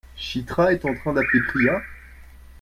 Chitra est en train d'appeler Priya ?